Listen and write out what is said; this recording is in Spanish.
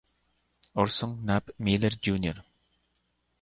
Orson Knapp Miller, Jr.